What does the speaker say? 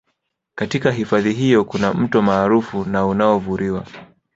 Katika hifadhi hiyo kuna Mto maarufu na unaovuriwa